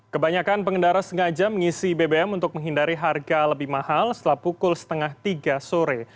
kebanyakan pengendara sengaja mengisi bbm untuk menghindari harga lebih mahal setelah pukul setengah tiga sore